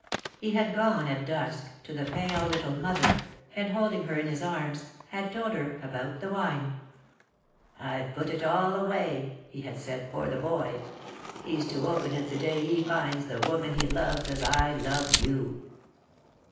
He had gone, at dusk, to the pale little mother, and, holding her in his arms, had told her about the wine. "I've put it all away," he had said, "for the boy. He's to open it the day he finds the woman he loves as I love you."